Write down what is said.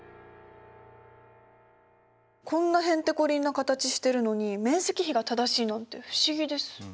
こんなへんてこりんな形してるのに面積比が正しいなんて不思議です。